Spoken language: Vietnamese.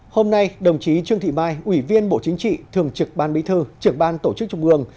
hôm nay đồng chí trương thị mai ủy viên bộ chính trị thường trực ban bí thư trưởng ban tổ chức trung ương